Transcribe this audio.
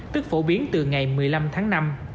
tức phổ biến từ ngày một mươi năm tháng năm